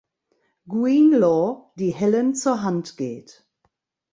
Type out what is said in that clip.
Greenlaw, die Helen zur Hand geht.